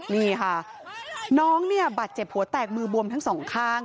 นี่ค่ะน้องเนี่ยบาดเจ็บหัวแตกมือบวมทั้งสองข้าง